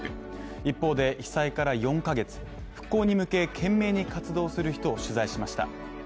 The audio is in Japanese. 一方で、被災から４ヶ月、復興に向け懸命に活動する人を取材しました。